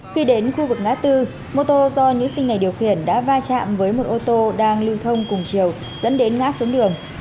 khi đến khu vực ngã tư mô tô do nữ sinh này điều khiển đã va chạm với một ô tô đang lưu thông cùng chiều dẫn đến ngã xuống đường